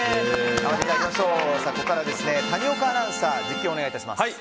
ここからは谷岡アナウンサー実況をお願いいたします。